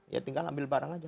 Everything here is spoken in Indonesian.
ya tinggal ambil barang aja